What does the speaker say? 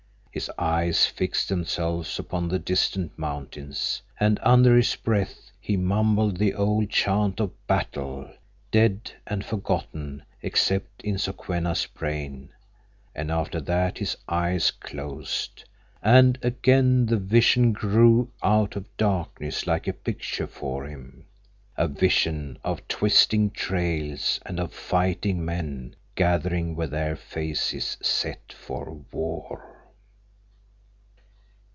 His eyes fixed themselves upon the distant mountains, and under his breath he mumbled the old chant of battle, dead and forgotten except in Sokwenna's brain, and after that his eyes closed, and again the vision grew out of darkness like a picture for him, a vision of twisting trails and of fighting men gathering with their faces set for war.